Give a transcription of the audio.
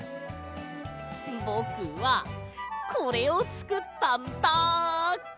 ぼくはこれをつくったんだ！